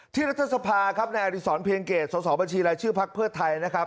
ที่รัฐสภาครับในอดิสรเพียงเกรดส่วนส่อบัญชีรายชื่อพลักเพื่อไทยนะครับ